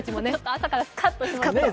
朝からスカッとしますね。